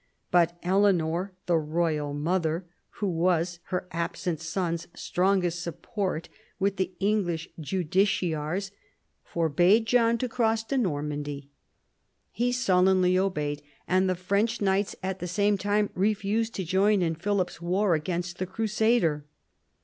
But Eleanor, the royal mother, who was her absent son's strongest support, with the English justiciars, forbade John to cross to Normandy. He sullenly obeyed, and the French knights at the same time refused to join in Philip's war against the crusader.